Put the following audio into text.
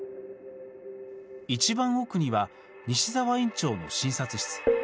いちばん奥には西澤院長の診察室。